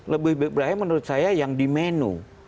lebih berbahaya menurut saya yang di menu